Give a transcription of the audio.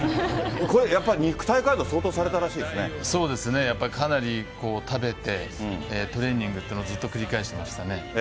これ、やっぱり肉体改造、そうですね、やっぱりかなり食べて、トレーニングっていうのをずっと繰り返してましたね。